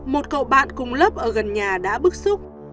một cậu bạn cùng lớp ở gần nhà đã bức xúc